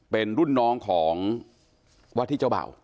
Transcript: เป็นรุ่นน้องของว่าที่เจ้าเบ่า